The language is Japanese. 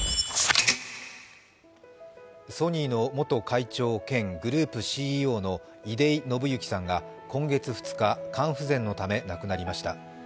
ソニーの元会長兼グループＣＥＯの出井伸之さんが肝不全のため亡くなりました。